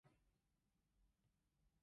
太陽能電筒